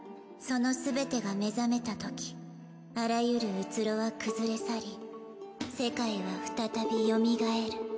そのすべてが目覚めたときあらゆる虚は崩れ去り世界は再びよみがえる。